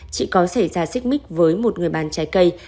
chỉ có xảy ra xích mích với một người bán trái cây